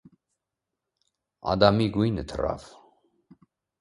Ադամի գույնը թռավ: